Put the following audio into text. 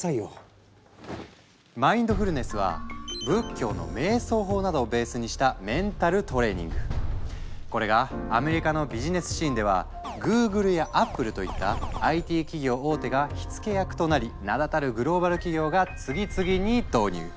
マインドフルネスはこれがアメリカのビジネスシーンではグーグルやアップルといったＩＴ企業大手が火付け役となり名だたるグローバル企業が次々に導入。